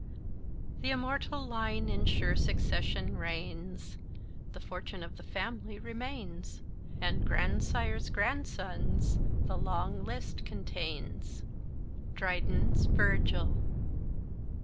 "Th' immortal line in sure succession reigns, The fortune of the family remains, And grandsires' grandsons the long list contains." DRYDEN'S _Virgil.